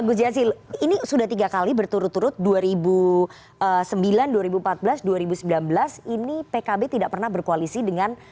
gus jazil ini sudah tiga kali berturut turut dua ribu sembilan dua ribu empat belas dua ribu sembilan belas ini pkb tidak pernah berkoalisi dengan